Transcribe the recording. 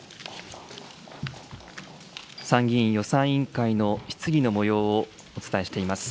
参議院予算委員会の質疑のもようをお伝えしています。